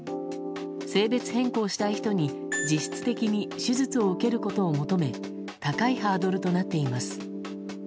性別変更したい人に、実質的に手術を受けることを求め高いハードルとなっています。